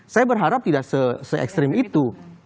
saya berharap tidak se ekstrim itu